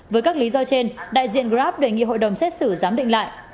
với các lý do trên đại diện grab đề nghị hội đồng xét xử giám định lại